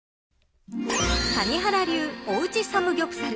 谷原流おうちサムギョプサル。